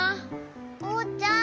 おうちゃん